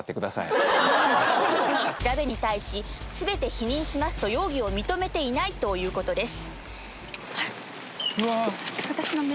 調べに対し全て否認しますと容疑を認めていないということです。